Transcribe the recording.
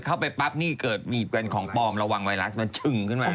เข้าไปปั๊บนี่เกิดมีเป็นของปลอมระวังไวรัสมันชึ่งขึ้นมา